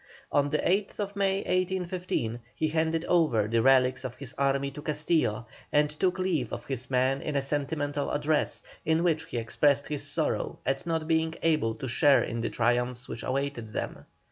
On the 8th May, 1815, he handed over the relics of his army to Castillo, and took leave of his men in a sentimental address, in which he expressed his sorrow at not being able to share in the triumphs which awaited them.